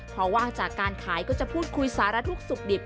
พอว่างจากการขายก็จะพูดคุยสารทุกข์สุขดิบ